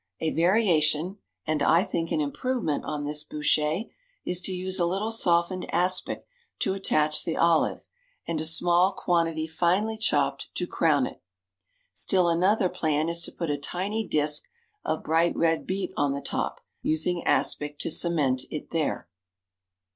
A variation, and I think an improvement, on this bouchée, is to use a little softened aspic to attach the olive, and a small quantity finely chopped to crown it. Still another plan is to put a tiny disk of bright red beet on the top, using aspic to cement it there.